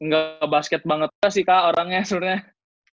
gak basket banget sih kak orangnya sebenernya